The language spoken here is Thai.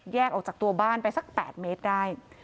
ออกจากตัวบ้านไปสัก๘เมตรได้